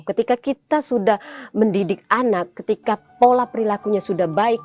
ketika kita sudah mendidik anak ketika pola perilakunya sudah baik